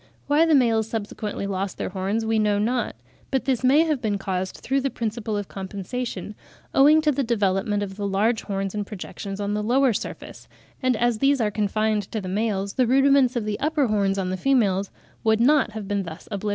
Why the males subsequently lost their horns, we know not; but this may have been caused through the principle of compensation, owing to the development of the large horns and projections on the lower surface; and as these are confined to the males, the rudiments of the upper horns on the females would not have been thus obliterated.